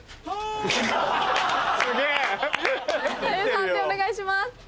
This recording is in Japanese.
判定お願いします。